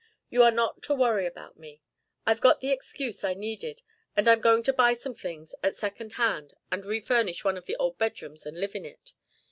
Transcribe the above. You are not to worry about me. I've got the excuse I needed, and I'm going to buy some things at second hand and refurnish one of the old bedrooms and live in it.